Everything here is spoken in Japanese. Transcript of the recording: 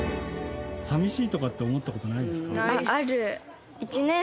寂しいとかって思った事ないですか？